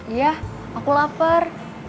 iya aku lapar